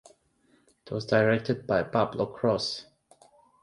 It was directed by Pablo Croce.